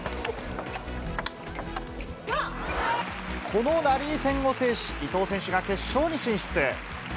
このラリー戦を制し、伊藤選手が決勝に進出。